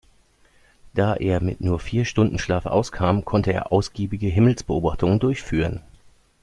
Da er mit nur vier Stunden Schlaf auskam, konnte er ausgiebige Himmelsbeobachtungen durchführen.